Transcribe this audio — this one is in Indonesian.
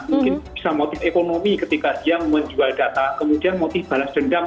mungkin bisa motif ekonomi ketika dia menjual data kemudian motif balas dendam